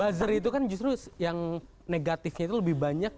buzzer itu kan justru yang negatifnya itu lebih banyak